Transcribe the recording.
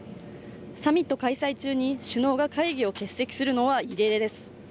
サミット開催中に首脳が会議を欠席するのは異例です。